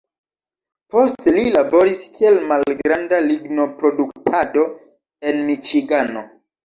Poste li laboris kiel malgranda lignoproduktado en Miĉigano.